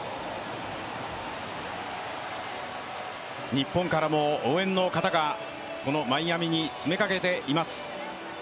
日本からも応援の方が、このマイアミに詰めかけています。